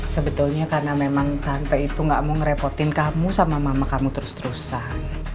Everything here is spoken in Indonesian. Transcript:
sebetulnya karena memang tante itu gak mau ngerepotin kamu sama mama kamu terus terusan